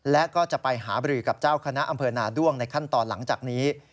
และก็จะไปหาบริกับเจ้าคณะอำเภอนาด้วงในขั้นตอนหลังจากนี้